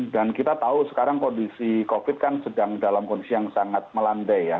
dan kita tahu sekarang kondisi covid kan sedang dalam kondisi yang sangat melande ya